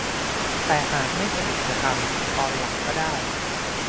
แต่หากไม่สะดวกจะทำตอนหลังก็ได้